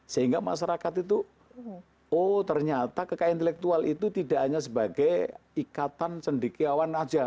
sehingga masyarakat itu oh ternyata kekayaan intelektual itu tidak hanya sebagai ikatan sendikiawan saja